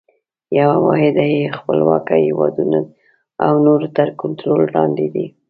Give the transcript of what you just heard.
یوه واحده یې خپلواکه هیوادونه او نور تر کنټرول لاندي دي.